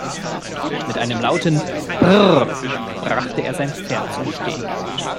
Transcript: Mit einem lauten "Brrr!" brachte er sein Pferd zum Stehen.